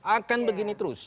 akan begini terus